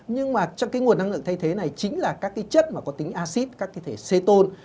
nhưng mà trong cái nguồn năng lượng thay thế này chính là các cái chất mà có tính acid các cái thể xê tồn